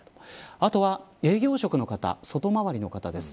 あとは、営業職の方外回りの方です。